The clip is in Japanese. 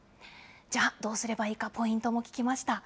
じゃあ、どうすればいいか、ポイントを聞きました。